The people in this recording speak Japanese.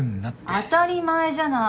当たり前じゃない。